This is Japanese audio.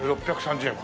６３０円